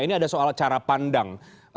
ini ada soal cara pandang